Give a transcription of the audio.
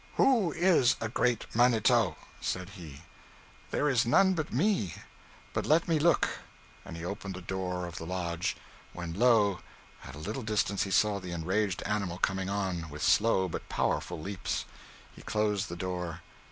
'Who is a great manito?' said he. 'There is none but me; but let me look,' and he opened the door of the lodge, when, lo! at a little distance he saw the enraged animal coming on, with slow but powerful leaps. He closed the door.